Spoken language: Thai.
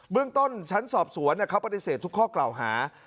เรื่องต้นชั้นสอบสวนเขาปฏิเสธทุกข้อกล่าวหา